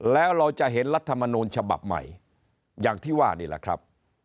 แล้วเราจะเห็นรัฐมนูลฉบับใหม่อย่างที่ว่านี่แหละครับ